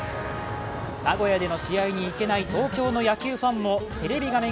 名古屋での試合に行けない東京の野球ファンもテレビ画面